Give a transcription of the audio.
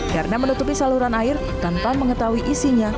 karena menutupi saluran air tanpa mengetahui isinya